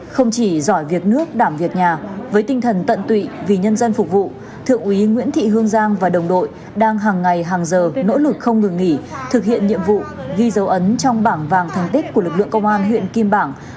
không chỉ giỏi việc nước đảm việc nhà với tinh thần tận tụy vì nhân dân phục vụ thượng úy nguyễn thị hương giang và đồng đội đang hàng ngày hàng giờ nỗ lực không ngừng nghỉ thực hiện nhiệm vụ ghi dấu ấn trong bảng vàng thành tích của lực lượng công an huyện kim bảng